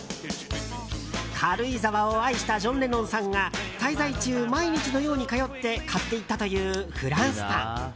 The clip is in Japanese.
軽井沢を愛したジョン・レノンさんが滞在中、毎日のように通って買っていったというフランスパン。